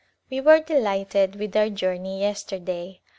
We were delighted with our journey yesterday.